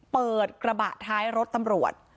เปิดกระบะท้ายรถตำรวจ